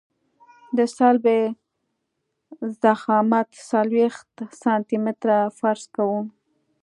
د سلب ضخامت څلوېښت سانتي متره فرض کوو